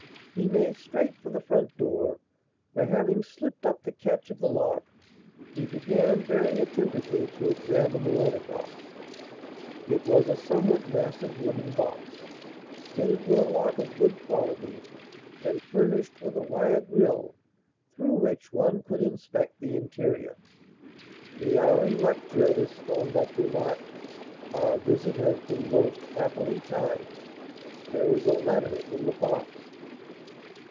He made straight for the front door, where, having slipped up the catch of the lock, he began very attentively to examine the letter box. It was a somewhat massive wooden box, fitted with a lock of good quality and furnished with a wire grille through which one could inspect the interior. "We are in luck, Jervis," Thorndyke remarked. "Our visit has been most happily timed. There is a letter in the box."